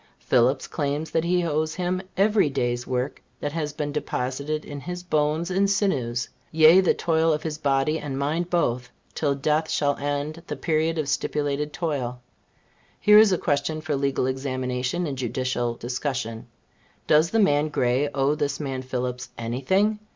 Phillips claims that he owes him every day's work that has been deposited in his bones and sinews; yea, the toil of his body and mind both, till death shall end the period of stipulated toil. Here is a question for legal examination and judicial discussion. Does the man Gray owe this man Phillips any thing?